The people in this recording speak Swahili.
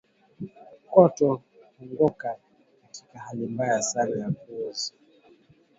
Kwato hungoka katika hali mbaya sana ya kuoza